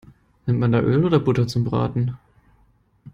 Nimmt man da Öl oder Butter zum Braten?